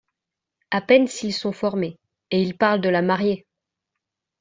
À peine s’ils sont formés… et ils parlent de la marier !